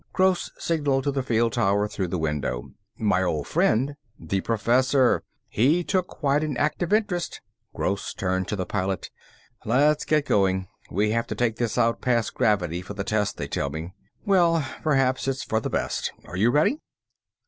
Gross signaled to the field tower through the window. "My old friend?" "The Professor. He took quite an active interest." Gross turned to the Pilot. "Let's get going. We have to take this out past gravity for the test they tell me. Well, perhaps it's for the best. Are you ready?"